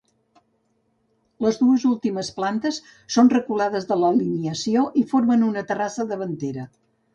Les dues últimes plantes són reculades de l'alineació i formen una terrassa davantera.